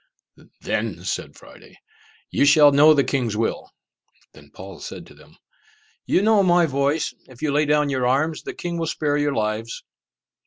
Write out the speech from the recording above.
"Then," said Friday, "you shall know the king's will." Then Paul said to them, "You know my voice; if you lay down your arms the king will spare your lives!"